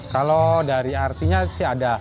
kalau dari artinya sih ada